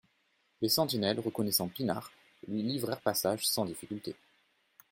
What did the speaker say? Les sentinelles, reconnaissant Pinard, lui livrèrent passage sans difficulté.